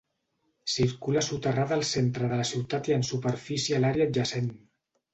Circula soterrada al centre de la ciutat i en superfície a l'àrea adjacent.